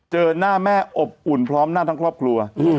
เจอหน้าแม่อบอุ่นพร้อมหน้าทั้งครอบครัว